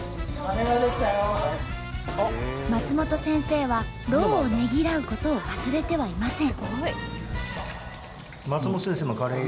松本先生は労をねぎらうことを忘れてはいません。